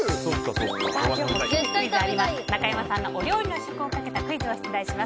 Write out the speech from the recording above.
中山さんのお料理の試食をかけたクイズを出題します。